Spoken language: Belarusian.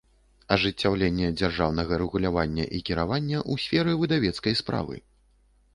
Ажыццяўленне дзяржаўнага рэгулявання i кiравання ў сферы выдавецкай справы